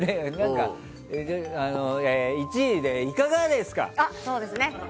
１位で、いかがですか？